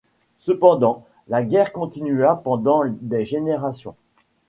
Cependant, la guerre continua pendant des générations.